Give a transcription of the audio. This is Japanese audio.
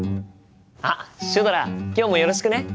あっシュドラ今日もよろしくね。